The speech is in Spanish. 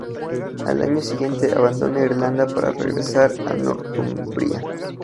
Al año siguiente abandona Irlanda para regresar a Northumbria.